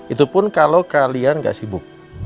itu pun kalau kalian gak sibuk